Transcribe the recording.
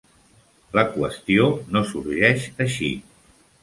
La qüestió no sorgeix així.